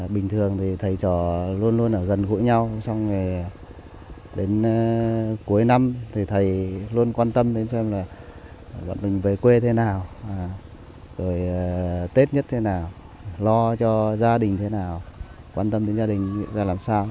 bình thường thì thầy trò luôn luôn ở gần gũi nhau trong nghề đến cuối năm thì thầy luôn quan tâm đến xem là bọn mình về quê thế nào rồi tết nhất thế nào lo cho gia đình thế nào quan tâm đến gia đình ra làm sao